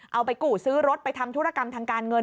เอาไปกู้ซื้อรถไปทำธุรกรรมทางการเงิน